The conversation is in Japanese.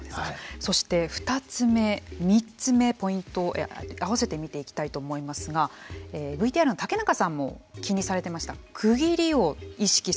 そして２つ目３つ目ポイントを併せて見ていきたいと思いますがＶＴＲの竹中さんも気にされてました区切りを意識する。